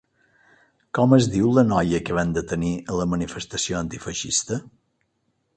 Com es diu la noia que van detenir a la manifestació antifeixista?